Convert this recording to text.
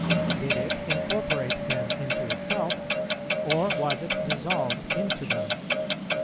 Did it incorporate them into itself, or was it dissolved into them?